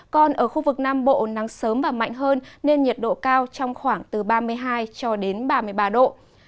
còn ở khu vực nam bộ nắng sớm và mạnh hơn nên nhiệt độ cao trong khoảng từ ba mươi hai cho đến ba mươi ba độ